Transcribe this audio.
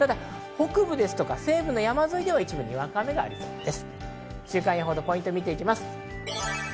北部ですとか西部の山沿いでは、にわか雨がありそうです。